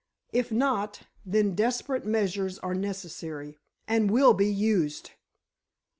If not, then desperate measures are necessary—and will be used!"